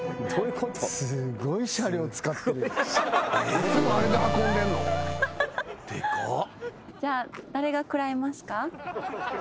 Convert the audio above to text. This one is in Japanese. いつもあれで運んでんの？でかっ。